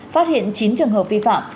phát hiện chín trường hợp vi phạm